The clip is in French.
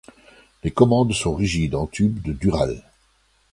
Les commandes sont rigides en tube de dural.